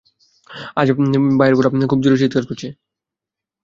আজ বাইয়ের গলা খুব জোরে চিৎকার করছে।